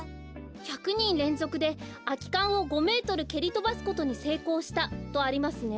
「１００にんれんぞくであきかんを５メートルけりとばすことにせいこうした」とありますね。